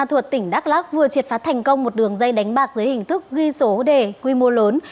tp hcm tỉnh đắk lắc vừa triệt phát thành công một đường dây đánh bạc dưới hình thức ghi số đề quy mô lớn